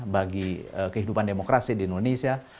bagi kehidupan demokrasi di indonesia